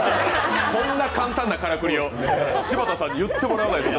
こんな簡単なからくりを、柴田さんに言ってもらわないと。